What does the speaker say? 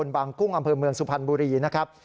บางกุ้งอำเภอเมืองสุพรรณบุรีนะครับ